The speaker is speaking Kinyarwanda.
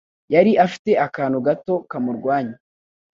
Yari afite akantu gato kumurwanya.